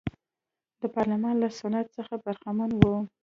د پارلمان له سنت څخه برخمنه وه.